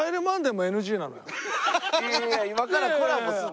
いや今からコラボする。